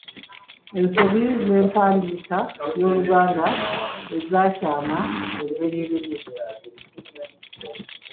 Ensobi z'empandiika y'Oluganda ezakyama olubereberye.